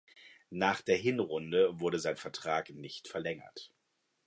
Nach der Hinrunde wurde sein Vertrag nicht verlängert.